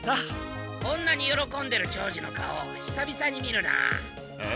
こんなによろこんでる長次の顔ひさびさに見るな。